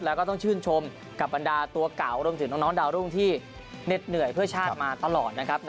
แล้วก็ต้องชื่นชมกับบรรดาตัวเก่ารวมถึงน้องดาวรุ่งที่เหน็ดเหนื่อยเพื่อชาติมาตลอดนะครับ